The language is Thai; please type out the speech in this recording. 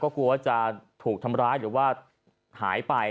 กลัวว่าจะถูกทำร้ายหรือว่าหายไป